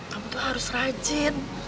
kamu tuh harus rajin